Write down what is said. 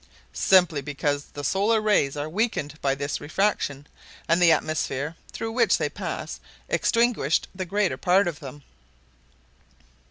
"Simply because the solar rays are weakened by this refraction, and the atmosphere through which they pass extinguished the greater part of them!"